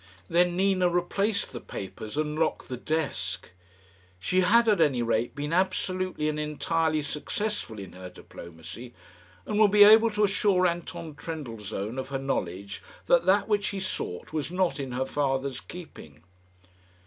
Then Nina replaced the papers and locked the desk. She had, at any rate, been absolutely and entirely successful in her diplomacy, and would be able to assure Anton Trendellsohn, of her knowledge, that that which he sought was not in her father's keeping.